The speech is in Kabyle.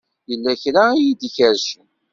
Yella kra i yi-d-ikerrcen.